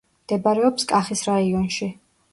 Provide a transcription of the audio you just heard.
მდებარეობს კახის რაიონში.